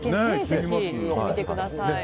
ぜひしてみてください。